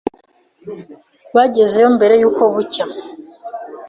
Bagezeyo mbere yuko bucya